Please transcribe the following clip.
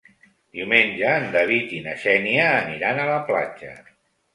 Diumenge en David i na Xènia aniran a la platja.